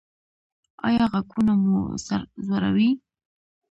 ایا غږونه مو سر ځوروي؟